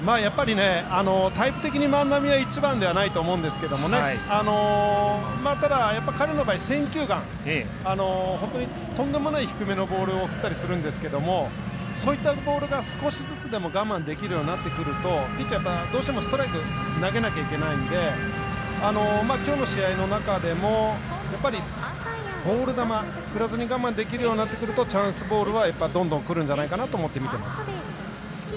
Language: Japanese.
タイプ的に万波は１番ではないと思うんですけどただ、彼の場合、選球眼本当にとんでもない低めのボール振ったりするんですけどそういったボールが少しずつでも我慢できるようになってくるとピッチャーどうしてもストライク投げないといけないんできょうの試合の中でもボール球振らずに我慢できるようになってくるとチャンスボールはどんどん来るんじゃないかと思って、見ています。